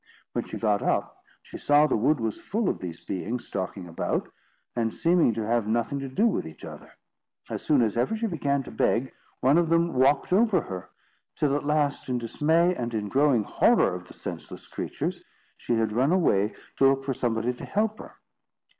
When she got up, she saw the wood was full of these beings stalking about, and seeming to have nothing to do with each other. As soon as ever she began to beg, one of them walked over her; till at last in dismay, and in growing horror of the senseless creatures, she had run away to look for somebody to help her.